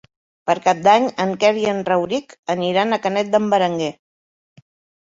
Per Cap d'Any en Quer i en Rauric aniran a Canet d'en Berenguer.